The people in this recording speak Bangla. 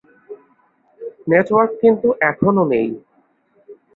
নেটওয়ার্ক কিন্তু এখনো নেই।